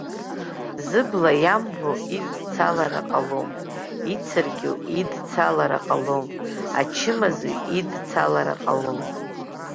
Зыбла иамбо идцалара ҟалом, ицыркьу идцалара ҟалом, ачымазаҩ идцалара ҟалом.